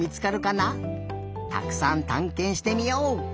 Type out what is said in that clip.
たくさんたんけんしてみよう！